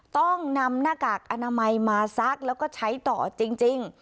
ต้องนำหน้ากากอนามัยมาซักแล้วก็ใช้ต่อจริง